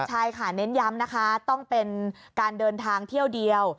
ใช่ค่ะเน้นย้ำนะคะต้องเป็นการเดินทางเที่ยวเดียว